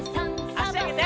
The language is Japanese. あしあげて！